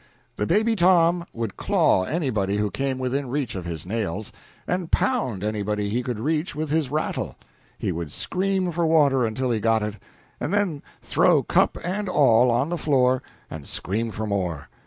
The baby Tom would claw anybody who came within reach of his nails, and pound anybody he could reach with his rattle. He would scream for water until he got it, and then throw cup and all on the floor and scream for more.